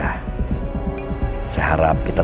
saya harap kita tetap berjalan